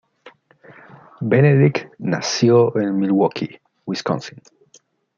Benedict nació en Milwaukee, Wisconsin.